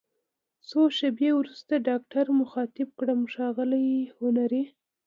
څو شیبې وروسته ډاکټر مخاطب کړم: ښاغلی هنري!